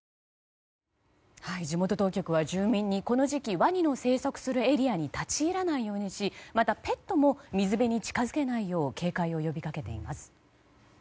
地元当局は住民にこの時期ワニの生息するエリアに立ち入らないようにしまた、ペットも水辺に近づけないよう警戒を呼びかけています。